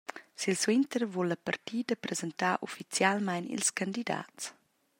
Silsuenter vul la partida presentar ufficialmein ils candidats.